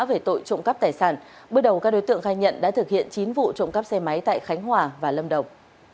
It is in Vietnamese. về tội trộm cắp tài sản bước đầu các đối tượng khai nhận đã thực hiện chín vụ trộm cắp xe máy tại khánh hòa và lâm đồng